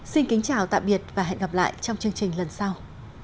xin kính chào tạm biệt và hẹn gặp lại trong chương trình lần sau